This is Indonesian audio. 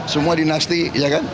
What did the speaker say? semua dinasti ya kan